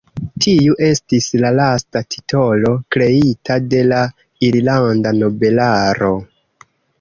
Tiu estis la lasta titolo kreita de la irlanda nobelaro.